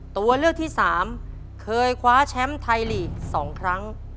ตัวเลือกที่๓เคยคว้าแชมป์ไทยลีก๒ครั้ง